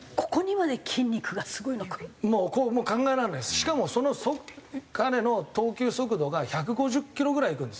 しかもその彼の投球速度が１５０キロぐらいいくんです。